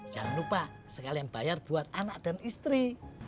jangan lupa sekalian bayar buat anak dan istri